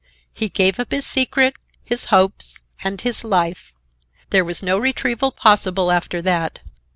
he gave up his secret, his hopes and his life. There was no retrieval possible after that.